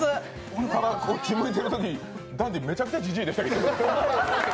こっち向いてるとき、ダンディ、めちゃくちゃじじいでしたけど。